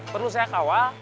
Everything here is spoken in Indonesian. perlu saya kawal